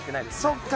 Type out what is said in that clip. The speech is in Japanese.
そっか